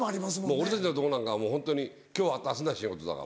俺たちのとこなんかもうホントに今日明日な仕事だから。